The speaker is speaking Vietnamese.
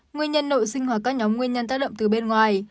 nguyên nhân nội sinh hoặc các nhóm nguyên nhân tác động từ bên ngoài